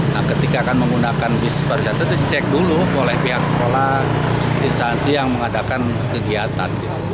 nah ketika akan menggunakan bis pariwisata itu dicek dulu oleh pihak sekolah instansi yang mengadakan kegiatan